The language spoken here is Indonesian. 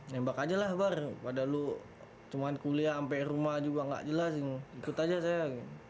nembak aja lah bar pada lu cuma kuliah sampai rumah juga nggak jelas ikut aja saya